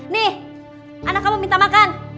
nih anak kamu minta makan